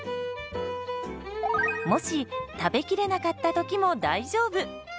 もし食べきれなかった時も大丈夫。